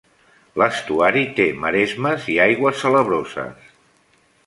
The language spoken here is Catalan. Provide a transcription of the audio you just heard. L'estuari té maresmes i aigües salabroses.